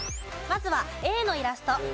まずはＡのイラスト。